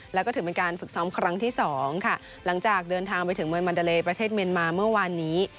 แล้วก็ถือเป็นการฝึกซ้อมครั้งที่สองค่ะหลังจากเดินทางไปถึงเมืองมันดาเลประเทศเมียนมาเมื่อวานนี้